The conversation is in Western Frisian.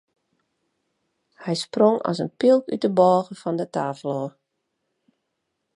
Hy sprong as in pylk út de bôge fan de tafel ôf.